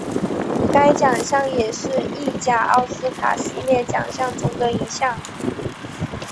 该奖项也是意甲奥斯卡系列奖项中的一项。